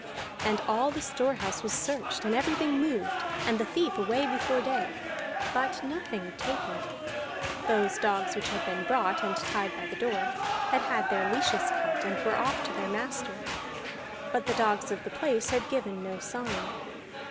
And all the store house was searched and everything moved, and the thief away before day, but nothing taken. Those dogs which had been brought and tied by the door had had their leashes cut, and were off to their master; but the dogs of the place had given no sign.